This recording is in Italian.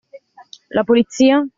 La Polizia?